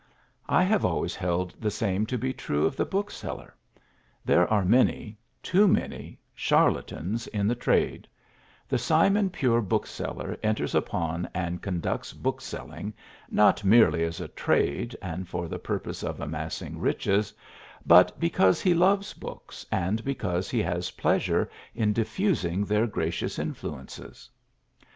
I have always held the same to be true of the bookseller. There are many, too many, charlatans in the trade; the simon pure bookseller enters upon and conducts bookselling not merely as a trade and for the purpose of amassing riches, but because he loves books and because he has pleasure in diffusing their gracious influences.